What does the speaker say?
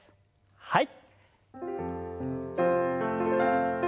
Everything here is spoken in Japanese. はい。